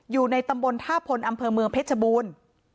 อยู่ในตำบลท่าพลอำเภอเมืองเพชรบูรณ์